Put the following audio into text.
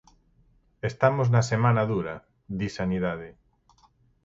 Estamos na semana dura, di Sanidade.